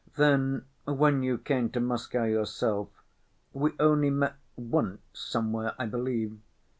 Then, when you came to Moscow yourself, we only met once somewhere, I believe.